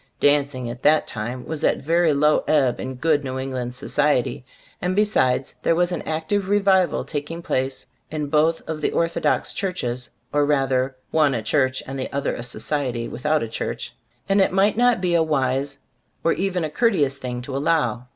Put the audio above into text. Dancing at that time was at a very low ebb in good New England society, and be sides, there was an active revival tak ing place in both of the orthodox churches (or rather one a church and the other a society without a church), and it might not be a wise, nor even a courteous, thing to allow.